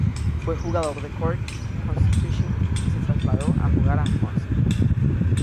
Fue jugador de Cork Constitution y se trasladó a jugar a Munster.